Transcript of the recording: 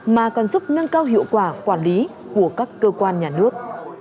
mà còn giúp nâng cao hiệu quả quản lý của các cơ quan nhà nước